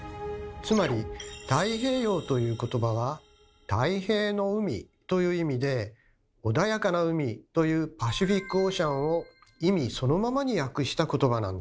つまり「太平洋」という言葉は「太平の海」という意味で「穏やかな海」という「パシフィック・オーシャン」を意味そのままに訳した言葉なんです。